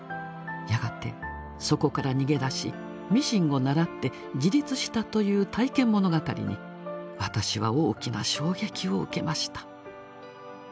やがてそこから逃げ出しミシンを習って自立したという体験物語に私は大きな衝撃を受けました」。